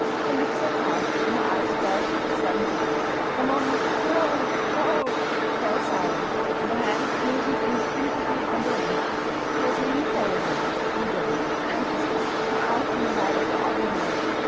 Her lips set hard, and her eyes flashed a sudden fire. Her moaning "whoa whoa" fell silent, and her hands loosened instinctively on the reins. She was leaning forward now, eagerly, anxiously, her eyes on the head of the other horse.